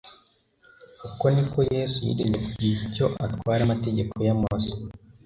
Uko niko Yesu yirinze kugira icyo atwara amategeko ya Mose,